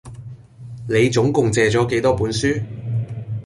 你總共借咗幾多本書？